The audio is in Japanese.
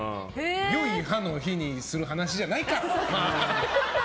よい歯の日にする話じゃないか。